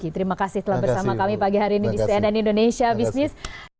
terima kasih telah bersama kami pagi hari ini di cnn indonesia business